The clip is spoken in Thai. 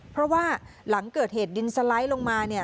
เพราะว่าหลังเกิดเหตุดินสไลด์ลงมาเนี่ย